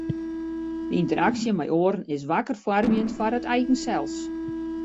De ynteraksje mei oaren is wakker foarmjend foar it eigen sels.